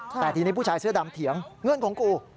แต่ทีนี้ผู้ชายเสื้อดำเถียงเงินของกู